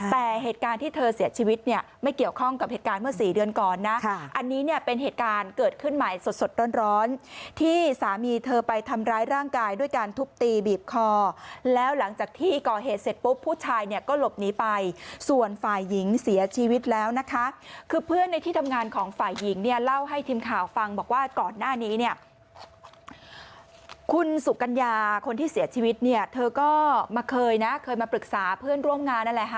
แต่เหตุการณ์ที่เธอเสียชีวิตเนี่ยไม่เกี่ยวข้องกับเหตุการณ์เมื่อ๔เดือนก่อนนะค่ะอันนี้เนี่ยเป็นเหตุการณ์เกิดขึ้นใหม่สดร้อนที่สามีเธอไปทำร้ายร่างกายด้วยการทุบตีบีบคอแล้วหลังจากที่ก่อเหตุเสร็จปุ๊บผู้ชายเนี่ยก็หลบหนีไปส่วนฝ่ายหญิงเสียชีวิตแล้วนะคะคือเพื่อนในที่ทำงานของฝ่ายหญิงเน